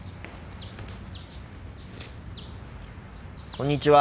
こんにちは。